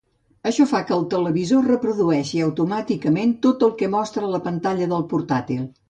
Això fa que el televisor reprodueixi automàticament tot el que mostra la pantalla del portàtil.